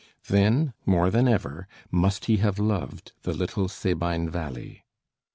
Then, more than ever, must he have loved the little Sabine valley.